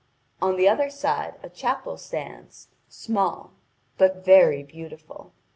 On the other side a chapel stands, small, but very beautiful.